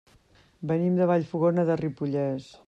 Venim de Vallfogona de Ripollès.